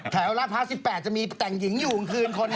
แถอยิงมองคืน